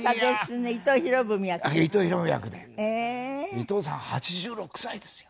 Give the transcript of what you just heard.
伊東さん８６歳ですよ。